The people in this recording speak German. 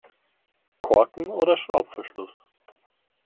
Korken oder Schraubverschluss?